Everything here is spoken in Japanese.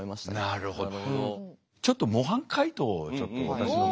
なるほど。